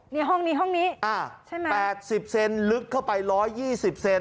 นี่ห้องนี้ห้องนี้อ่าใช่ไหมแปดสิบเซนลึกเข้าไปร้อยยี่สิบเซน